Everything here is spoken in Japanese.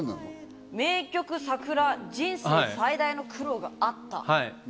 名曲『さくら』、人生最大の苦労があった。